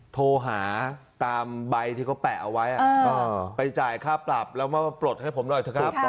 โทรหาตามใบที่เขาแปะเอาไว้ไปจ่ายค่าปรับแล้วมาปลดให้ผมหน่อยเถอะครับ